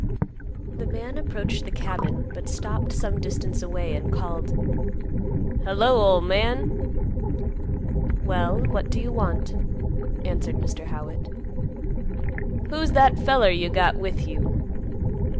The man approached the cabin, but stopped some distance away and called, "Hello, ol' man!" "Well, what do you want?" answered Mr. Howitt. "Who's that there feller you got with you?"